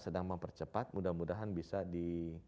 sedang mempercepat mudah mudahan bisa di